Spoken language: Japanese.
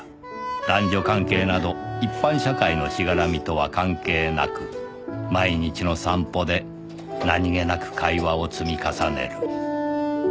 男女関係など一般社会のしがらみとは関係なく毎日の散歩で何げなく会話を積み重ねる